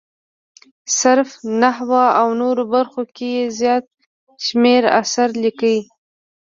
صرف، نحوه او نورو برخو کې یې زیات شمېر اثار لیکلي.